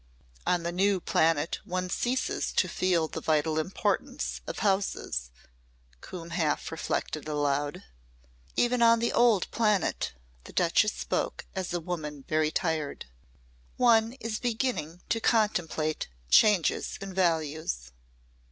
"On the new planet one ceases to feel the vital importance of 'houses,'" Coombe half reflected aloud. "Even on the old planet," the Duchess spoke as a woman very tired, "one is beginning to contemplate changes in values."